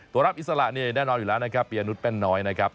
ตัวรับอิสระเนี่ยแน่นอนอยู่แล้วนะครับ